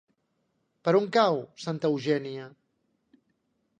Per on cau Santa Eugènia?